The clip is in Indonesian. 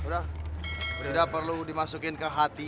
udah udah perlu dimasukin ke h tiga